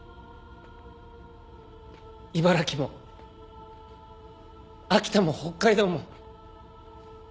茨城も秋田も北海道も。